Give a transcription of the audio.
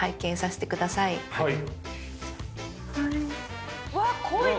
はい。